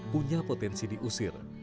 punya potensi diusir